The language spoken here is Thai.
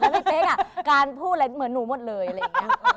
แล้วพี่เป๊กอ่ะการพูดแล้วเหมือนหนูหมดเลยอะไรอย่างนี้